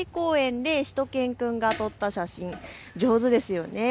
でしゅと犬くんが撮った写真、上手ですよね。